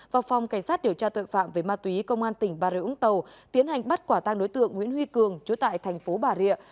và phòng cảnh sát điều tra tội phạm về ma túy công an tỉnh bà riệp ứng tàu tiến hành bắt quả tăng đối tượng nguyễn huy cường trú tại thành phố bà riệp